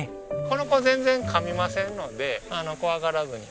この子全然噛みませんので怖がらずに。